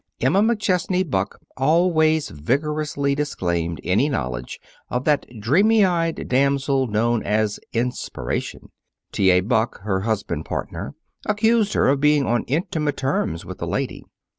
Emma McChesney Buck always vigorously disclaimed any knowledge of that dreamy eyed damsel known as Inspiration. T. A. Buck, her husband partner, accused her of being on intimate terms with the lady.